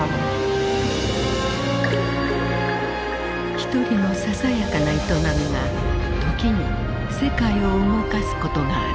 一人のささやかな営みが時に世界を動かすことがある。